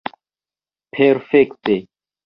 Perfekte.